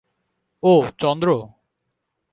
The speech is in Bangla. ওঃ– চন্দ্র।